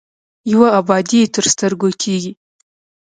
یوه ابادي یې تر سترګو کېږي.